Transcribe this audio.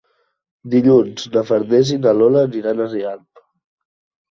Dilluns na Farners i na Lola aniran a Rialp.